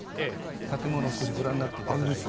建物少しご覧になって頂いて。